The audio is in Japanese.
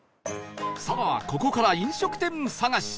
さあここから飲食店探し